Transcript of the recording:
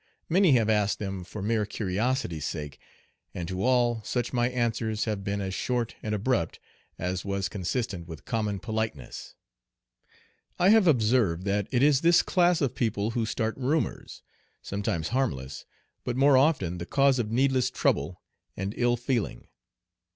Many have asked them for mere curiosity's sake, and to all such my answers have been as short and abrupt as was consistent with common politeness. I have observed that it is this class of people who start rumors, sometimes harmless, but more often the cause of needless trouble and ill feeling.